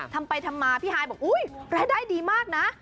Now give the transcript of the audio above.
ทำไปทำมาพี่ฮายบอกอุ๊ยรายได้ดีมากนะ